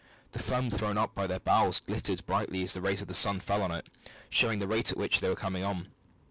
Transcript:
The foam thrown up by their bows glittered brightly as the rays of the sun fell on it, showing the rate at which they were coming on.